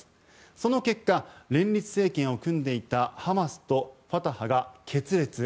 その結果、連立政権を組んでいたハマスとファタハが決裂。